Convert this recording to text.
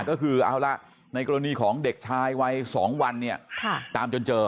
ก็คือเอาละในกรณีของเด็กชายวัย๒วันเนี่ยตามจนเจอ